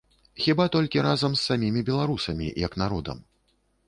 Хіба толькі разам з самімі беларусамі як народам.